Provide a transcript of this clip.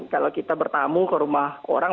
kalau kita bertamu ke rumah orang